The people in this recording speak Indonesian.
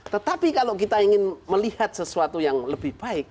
tetapi kalau kita ingin melihat sesuatu yang lebih baik